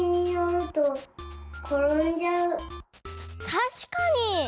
たしかに！